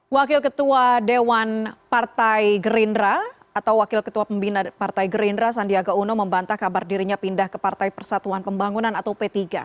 wakil ketua dewan partai gerindra atau wakil ketua pembina partai gerindra sandiaga uno membantah kabar dirinya pindah ke partai persatuan pembangunan atau p tiga